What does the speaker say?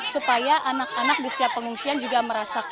supaya anak anak di setiap pengungsian juga merasa berharga